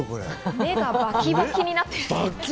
目がバキバキになってる。